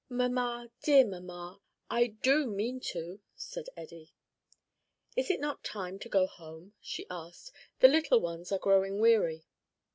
"Mamma, dear mamma, I do mean to," said Eddie. "Is it not time to go home?" she asked. "The little ones are growing weary."